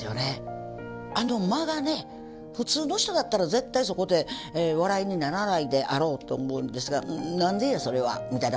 あの間がね普通の人だったら絶対そこで笑いにならないであろうと思うんですが「何でや？それは」みたいな。